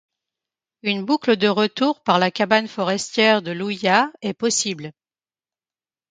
Une boucle de retour par la cabane forestière de l'Ouillat est possible.